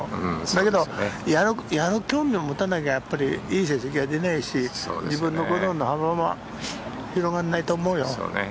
だけど興味を持たなきゃいい成績は出ないし自分の幅も広がらないと思うよ。